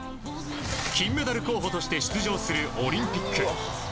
金メダル候補として出場するオリンピック。